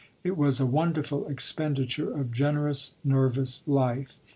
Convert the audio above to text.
It was a wonderful expenditure of generous, nervous life.